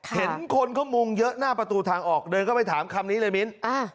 เห็นคนเขามุงเยอะหน้าประตูทางออกเดินเข้าไปถามคำนี้เลยมิ้น